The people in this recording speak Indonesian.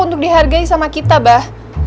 untuk dihargai sama kita bah